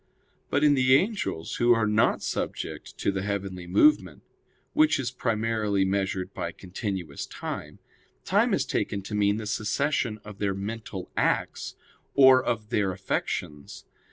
But in the angels, who are not subject to the heavenly movement, which is primarily measured by continuous time, time is taken to mean the succession of their mental acts, or of their affections.